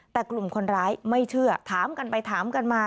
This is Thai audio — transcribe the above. แต่กลุ่มคนร้ายไม่เชื่อถามกันไปถามกันมา